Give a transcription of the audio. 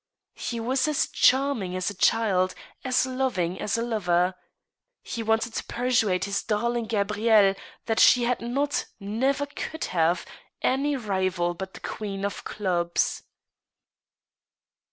He was as charming as a child, as loving as a lover. He wanted to persuade his darling Gabrielle that she had not, never could have, any rival but the queen of clubs.